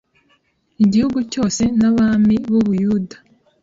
Igihugu cyose n’abami b’u Buyuda